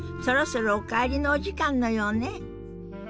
そろそろお帰りのお時間のようね。